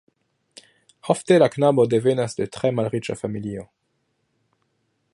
Ofte la knabo devenas de tre malriĉa familio.